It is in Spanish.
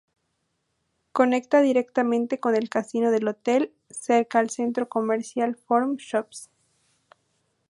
Conecta directamente con el casino del hotel, cerca al centro comercial Forum Shops.